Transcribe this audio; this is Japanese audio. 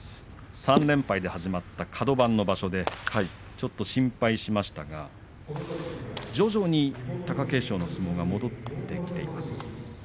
３連敗で始まったカド番の場所で心配しましたが徐々に貴景勝の相撲が戻ってきています。